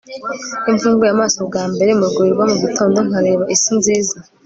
iyo mfunguye amaso bwa mbere mu rwuri rwo mu gitondo nkareba isi nziza